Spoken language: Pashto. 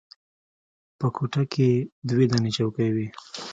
په کوټه کښې دوې دانې چوکۍ وې.